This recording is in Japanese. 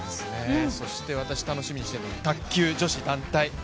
そして私、楽しみにしているのが卓球女子団体。